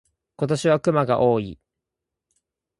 今年は熊が多い。